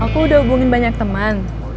aku udah hubungin banyak teman